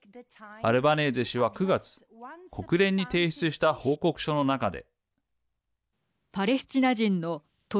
アルバネーゼ氏は９月国連に提出した報告書の中で。